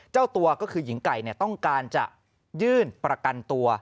เจ้าตัวก็คือหญิงไก่ต้องการจะยื่นประกันตัว